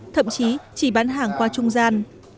thậm chí chỉ bán hàng qua trung gian